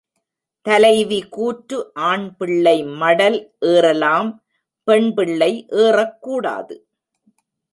தலைவி கூற்று ஆண்பிள்ளை மடல் ஏறலாம் பெண்பிள்ளை ஏறக்கூடாது.